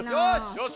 よし！